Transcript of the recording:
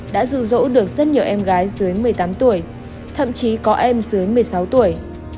đã rụ rỗ được rất nhiều em gái dưới một mươi tám tuổi thậm chí có em dưới một mươi sáu tuổi